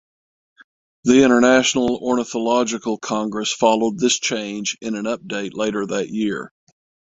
The International Ornithological Congress followed this change in an update later that year.